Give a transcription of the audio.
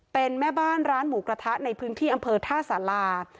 เป็นแม่บ้านร้านหมูกระทะในพื้นที่อำเภอท่าสารา